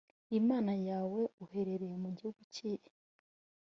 imana yawe uherereye mu gihugu kihe